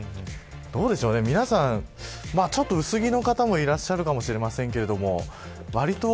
どうでしょうね、皆さんちょっと薄着の方もいらっしゃるかもしれませんがわりと、